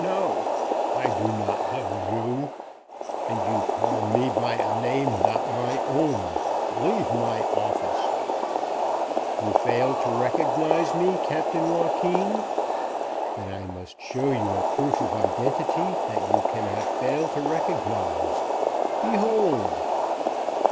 "N no, I do not know you. And you call me by a name not my own. Leave my office." "You fail to recognize me, Captain Joaquin? Then I must show you a proof of identity that you cannot fail to recognize. Behold!"